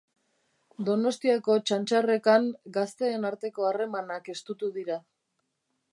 Donostiako Txantxarrekan gazteen arteko harremanak estutu dira.